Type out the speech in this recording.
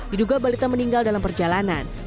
diduga balita meninggal dalam perjalanan